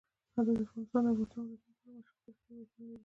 افغانستان د د افغانستان ولايتونه په اړه مشهور تاریخی روایتونه لري.